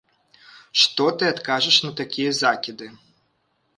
Што ты адкажаш на такія закіды?